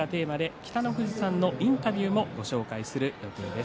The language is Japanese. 北の富士さんのインタビューもご紹介する予定です。